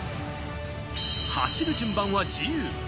走る順番は自由。